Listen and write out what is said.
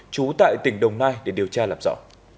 trú tại tỉnh đồng nai để điều tra lập rõ